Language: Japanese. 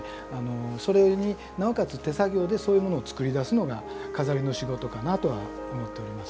それになおかつ手作業でそういうものを作り出すのが錺の仕事かなとは思っております。